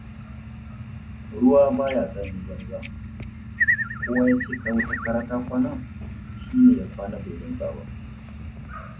Positive affect and the complex dynamics of human flourishing.